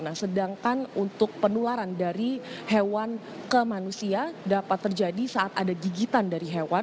nah sedangkan untuk penularan dari hewan ke manusia dapat terjadi saat ada gigitan dari hewan